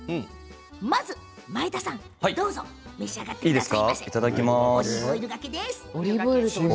まず、前田さん、どうぞ召し上がってください。